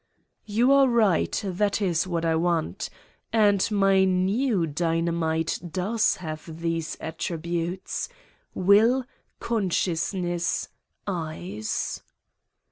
"You are right. That is what I want. And my new dynamite does have these attributes : will, consciousness, eyes."